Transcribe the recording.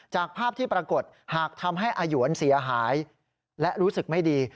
จากภาพที่ปรากฏหากทำให้อาหยวนเสียหายและรู้สึกไม่ดี